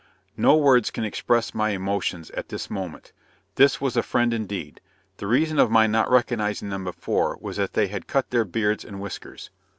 No words can express my emotions at this moment. This was a friend indeed. The reason of my not recognizing them before, was that they had cut their beards and whiskers.